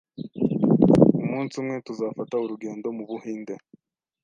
Umunsi umwe tuzafata urugendo mubuhinde.